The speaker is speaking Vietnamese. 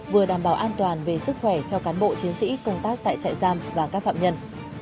vừa đảm bảo an toàn về sức khỏe cho cán bộ chiến sĩ công tác tại trại giam và các phạm nhân